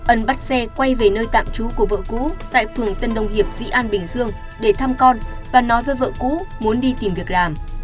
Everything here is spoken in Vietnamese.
ân bắt xe quay về nơi tạm trú của vợ cũ tại phường tân đồng hiệp dĩ an bình dương để thăm con và nói với vợ cũ muốn đi tìm việc làm